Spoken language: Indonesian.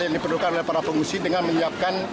yang diperlukan oleh para pengungsi dengan menyiapkan